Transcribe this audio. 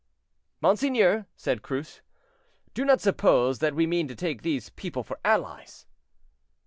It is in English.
"Monseigneur," said Cruce, "do not suppose that we mean to take these people for allies!"